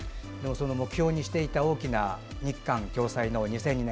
目標にしていた大きな日韓共催の２００２年。